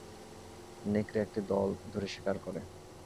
নেকড়ে একটি দল ধরে শিকার করে।